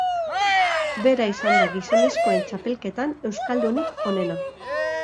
Bera izan da gizonezkoen txapelketan euskaldunik onena.